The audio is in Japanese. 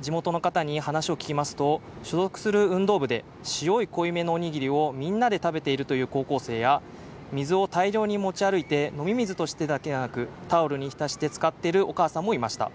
地元の方に話を聞きますと所属する運動部で塩濃いめのおにぎりをみんなで食べているという高校生や水を大量に持ち歩いて飲み水としてだけではなく、タオルに浸して使ってるお母さんもいました。